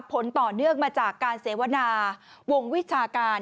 ผลต่อเนื่องมาจากการเสวนาวงวิชาการ